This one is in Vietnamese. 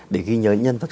để ghi nhớ nhân vật